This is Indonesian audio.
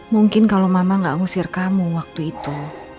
mungkin kalau mama gak ngusir kamu waktu itu